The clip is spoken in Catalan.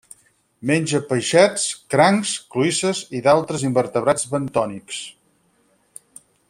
Menja peixets, crancs, cloïsses i d'altres invertebrats bentònics.